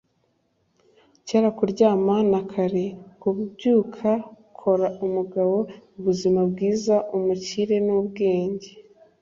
kera kuryama na kare kubyuka, kora umugabo ubuzima bwiza, umukire nubwenge